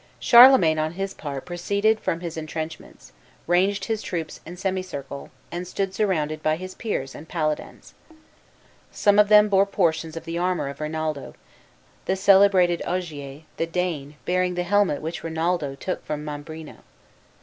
Charlemagne, on his part, proceeded from his intrenchments, ranged his troops in semicircle, and stood surrounded by his peers and paladins. Some of them bore portions of the armor of Rinaldo, the celebrated Ogier, the Dane, bearing the helmet which Rinaldo took from Mambrino.